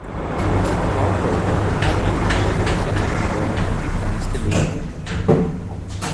Heartbroken and unable to live in the city anymore, he plans to leave.